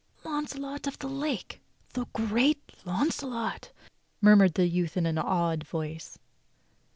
"Launcelot of the Lake! The great Launcelot!" murmured the youth in awed voice.